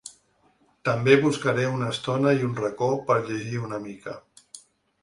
També buscaré una estona i un racó per llegir una mica.